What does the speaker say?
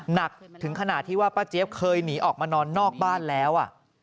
หนักถึงขนาดที่ว่าป้าเจี๊ยบเคยหนีออกมานอนนอกบ้านแล้ว